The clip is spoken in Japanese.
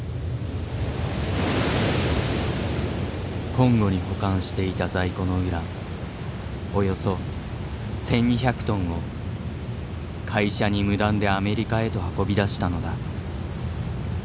コンゴに保管していた在庫のウランおよそ１，２００トンを会社に無断でアメリカへと運び出したのだ。